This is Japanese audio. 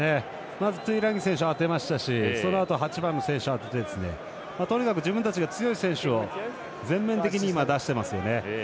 まずトゥイランギ選手当てましたしそのあと８番の選手を当ててとにかく自分たちが強い選手を全面的に出してますよね。